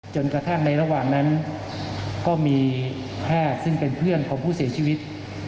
จนกระทั่งในระหว่างนั้นก็มีแพทย์ซึ่งเป็นเพื่อนของผู้เสียชีวิต